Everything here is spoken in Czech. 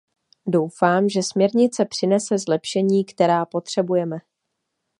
Doufám, že směrnice přinese zlepšení, která potřebujeme.